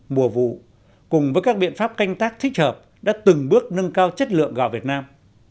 mùa vụ cùng với các biện pháp canh tác thích hợp đã từng bước nâng cao chất lượng gạo việt nam